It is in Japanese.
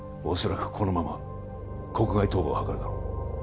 おそらくこのまま国外逃亡を図るだろう